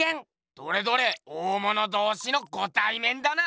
どれどれ大物同士のごたいめんだな。